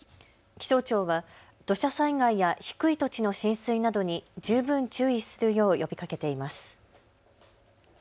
気象庁は土砂災害や低い土地の浸水などに十分注意するよう呼びかけています。